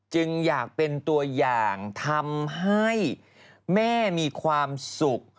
จึงอยากเป็นตัวอย่างทำให้แม่มีความสุข